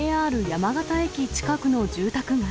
ＪＲ山形駅近くの住宅街。